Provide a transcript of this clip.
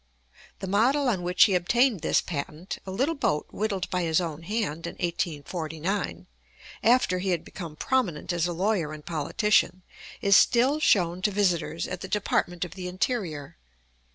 The model on which he obtained this patent a little boat whittled by his own hand in 1849, after he had become prominent as a lawyer and politician is still shown to visitors at the Department of the Interior.